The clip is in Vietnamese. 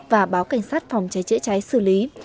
và báo cảnh sát phòng cháy chữa cháy xử lý